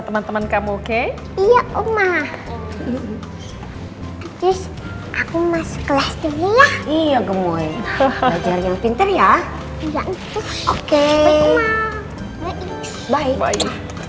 teman teman kamu oke iya umar aku masuk kelas iya gemulai pintar ya oke bye bye